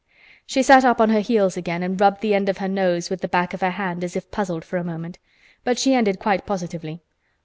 She sat up on her heels again and rubbed the end of her nose with the back of her hand as if puzzled for a moment, but she ended quite positively.